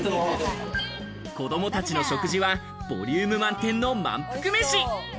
子供たちの食事はボリューム満点の満腹飯。